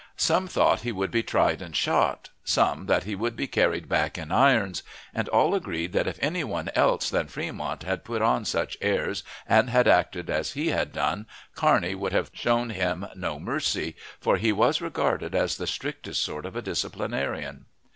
Some, thought he would be tried and shot, some that he would be carried back in irons; and all agreed that if any one else than Fremont had put on such airs, and had acted as he had done, Kearney would have shown him no mercy, for he was regarded as the strictest sort of a disciplinarian.